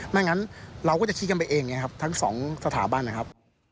ไม่งั้นเราก็จะคิดกันไปเองทั้งสองสถาบันครับ